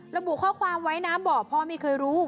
ระบุข้อความไว้นะบอกพ่อไม่เคยรู้